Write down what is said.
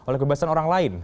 bagaimana dengan orang lain